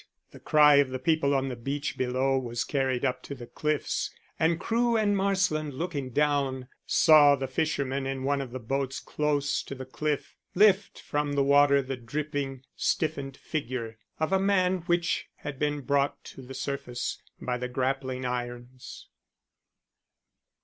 The cry of the people on the beach below was carried up to the cliffs, and Crewe and Marsland, looking down, saw the fishermen in one of the boats close to the cliff lift from the water the dripping, stiffened figure of a man which had been brought to the surface by the grappling irons.